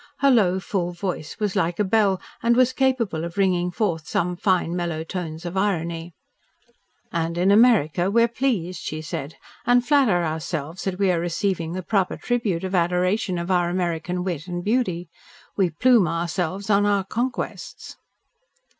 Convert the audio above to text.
Her low, full voice was like a bell and was capable of ringing forth some fine, mellow tones of irony. "And in America we are pleased," she said, "and flatter ourselves that we are receiving the proper tribute of adoration of our American wit and beauty. We plume ourselves on our conquests."